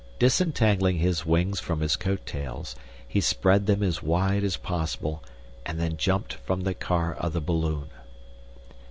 Disentangling his wings from his coat tails, he spread them as wide as possible and then jumped from the car of the balloon.